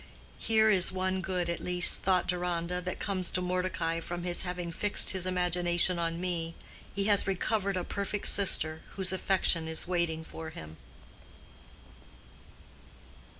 Here is one good, at least, thought Deronda, that comes to Mordecai from his having fixed his imagination on me. He has recovered a perfect sister, whose affection is waiting for him.